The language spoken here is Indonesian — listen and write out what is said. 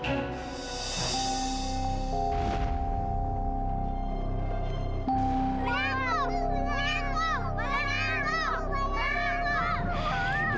ibu ibu ibu